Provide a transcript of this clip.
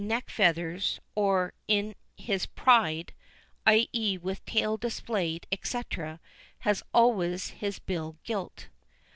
_, neck feathers, or in his "pride" i.e. with tail displayed, &c. had always his bill gilt.